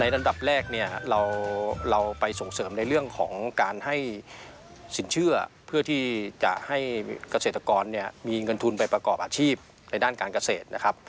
ทกศมีเงินทุนไปประกอบอาชีพในด้านการเกษตรนะครับ